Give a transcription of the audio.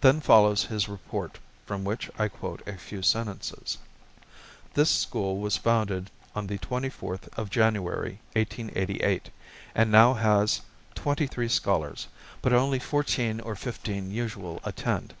Then follows his report, from which I quote a few sentences: "This school was founded on the 24th of January, 1888, and now has twenty three scholars, but only fourteen or fifteen usual attend.